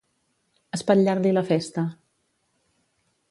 Espatllar-li la festa.